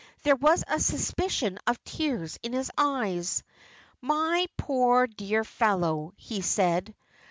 There was a suspicion of tears in his eyes. "My poor, dear fellow," he said.